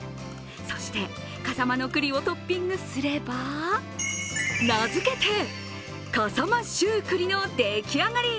そして笠間の栗をトッピングすれば名づけて、かさまシューくりのでき上がり。